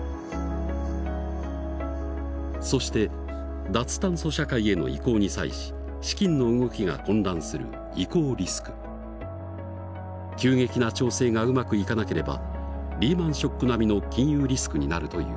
そして脱炭素社会への移行に際し資金の動きが混乱する急激な調整がうまくいかなければリーマンショック並みの金融リスクになるという。